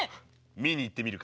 見に行ってみるか？